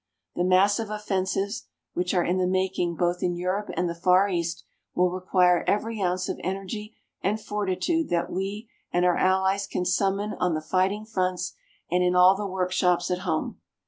The massive offensives which are in the making both in Europe and the Far East will require every ounce of energy and fortitude that we and our Allies can summon on the fighting fronts and in all the workshops at home.